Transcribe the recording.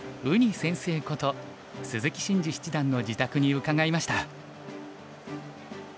ウニ先生こと鈴木伸二七段の自宅に伺いました。